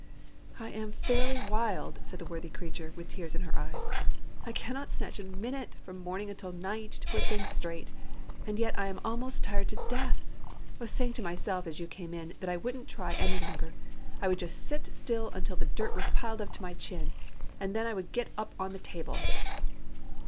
"I am fairly wild!" said the worthy creature, with tears in her eyes. "I cannot snatch a minute, from morning until night, to put things straight, and yet I am almost tired to death! I was saying to myself as you came in, that I wouldn't try any longer. I would just sit still until the dirt was piled up to my chin, and _then I would get upon the table!